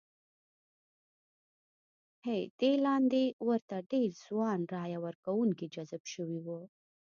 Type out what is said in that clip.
ه دې لارې ورته ډېر ځوان رایه ورکوونکي جذب شوي وو.